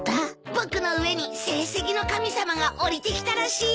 僕の上に成績の神様が降りてきたらしいよ。